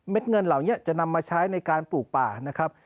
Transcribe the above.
เงินเหล่านี้จะนำมาใช้ในการปลูกป่านะครับ